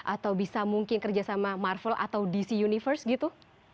atau bisa mungkin kerjasama marvel atau dc universe gitu